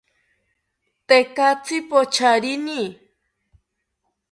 Tekatzi pocharini